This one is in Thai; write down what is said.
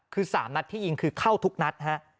คือสามนะที่อิงคือเข้าทุกนัดฮะ